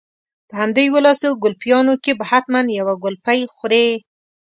په همدې يوولسو ګلپيانو کې به حتما يوه ګلپۍ خورې.